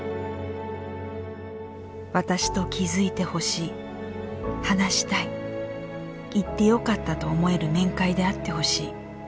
「私と気づいてほしい話したい行って良かったと思える面会であってほしい。